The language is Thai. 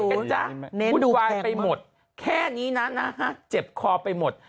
เห็นจ้ะเน้นดูแขวงไปหมดแค่นี้นะนะฮะเจ็บคอไปหมด